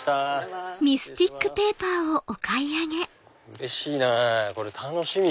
うれしいなぁこれ楽しみ。